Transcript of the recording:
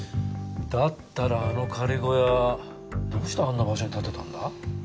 だったらあの仮小屋どうしてあんな場所に建てたんだ？